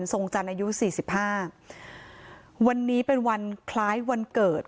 ทรงจันทร์อายุสี่สิบห้าวันนี้เป็นวันคล้ายวันเกิด